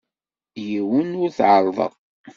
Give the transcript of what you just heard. Yiwen ur t-ɛerrḍeɣ.